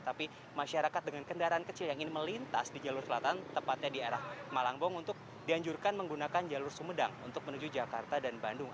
tapi masyarakat dengan kendaraan kecil yang ingin melintas di jalur selatan tepatnya di arah malangbong untuk dianjurkan menggunakan jalur sumedang untuk menuju jakarta dan bandung